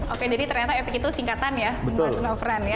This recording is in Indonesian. oke jadi ternyata epic itu singkatan ya mas nofran ya